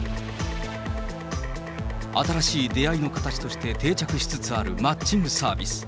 新しい出会いの形として定着しつつあるマッチングサービス。